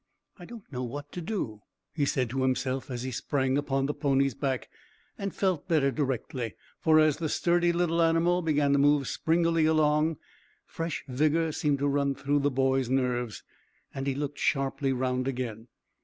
"I don't know what to do," he said to himself, as he sprang upon the pony's back, and felt better directly. For as the sturdy little animal began to move springily along, fresh vigour seemed to run through the boy's nerves, and he looked sharply round again.